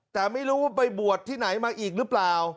แต่ไม่รู้ว่าไปบวชที่ไหนมาอีกหรือเปล่า